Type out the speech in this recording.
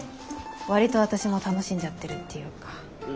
割と私も楽しんじゃってるっていうか。